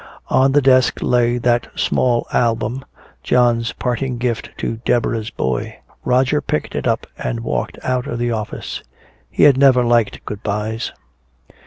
On the desk lay that small album, John's parting gift to Deborah's boy. Roger picked it up and walked out of the office. He had never liked good byes.